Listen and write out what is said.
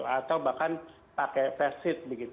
atau bahkan pakai face shield